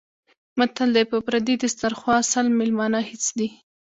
متل دی: په پردي دیسترخوا سل مېلمانه هېڅ دي.